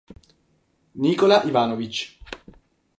Nikola Ivanović